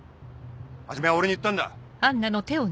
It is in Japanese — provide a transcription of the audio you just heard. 始は俺に言ったんだ。